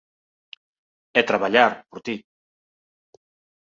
E traballar, por ti